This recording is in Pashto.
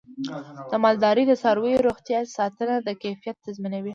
د مالدارۍ د څارویو روغتیا ساتنه د کیفیت تضمینوي.